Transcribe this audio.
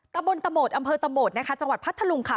ตะบนตะโหมดอำเภอตะโหมดนะคะจังหวัดพัทธลุงค่ะ